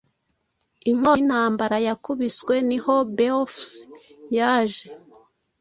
Inkota yintambara yakubiswe niho Beowulf yaje